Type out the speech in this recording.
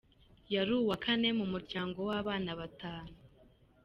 Yari uwa kane mu muryango w’abana batanu.